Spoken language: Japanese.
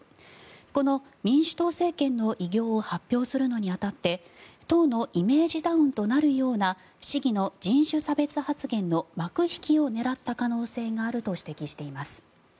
この民主党政権の偉業を発表するのに当たって党のイメージダウンとなるような市議の人種差別発言の幕引きを狙った可能性があると指摘しています。